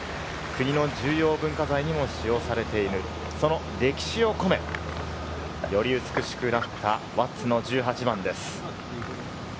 国の重要文化財にも使用されている、その歴史を込め、より美しくなった輪厚の１８番です。